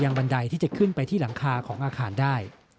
บันไดที่จะขึ้นไปที่หลังคาของอาคารได้